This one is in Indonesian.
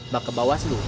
maka bawa ke ketua dpd